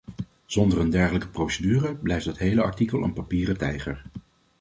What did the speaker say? Zonder een dergelijke procedure blijft dat hele artikel een papieren tijger.